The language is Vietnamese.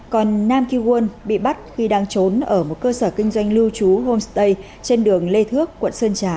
còn nam ki won bị bắt khi đang trốn ở một cơ sở kinh doanh lưu trú homestay trên đường lê thước quận sơn trà tp đài nẵng